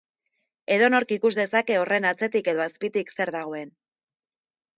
Edonork ikus dezake horren atzetik edo azpitik zer dagoen.